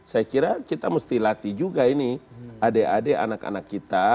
saya kira kita mesti latih juga ini adik adik anak anak kita